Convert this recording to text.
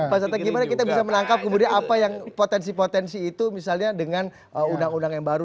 pak sate gimana kita bisa menangkap kemudian apa yang potensi potensi itu misalnya dengan undang undang yang baru